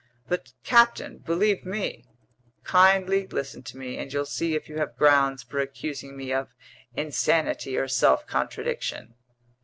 "But, captain, believe me—" "Kindly listen to me, and you'll see if you have grounds for accusing me of insanity or self contradiction."